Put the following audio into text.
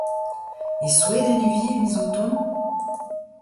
E Sweden e vi ar miz o tont ?